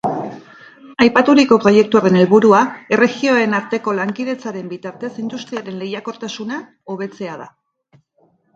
Aipaturiko proiektu horren helburua erregioen arteko lankidetzaren bitartez industriaren lehiakortasuna hobetzea da.